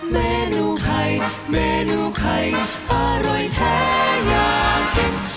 เมนูไข่เมนูไข่อร่อยแท้อยากกิน